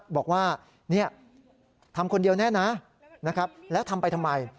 บอกว่าทำคนเดียวแน่นะแล้วทำไปทำไม